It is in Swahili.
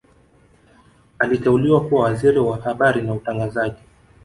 Aliteuliwa kuwa Waziri wa Habari na Utangazaji